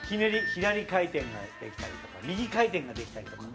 左回転ができたりとか右回転ができたりとか。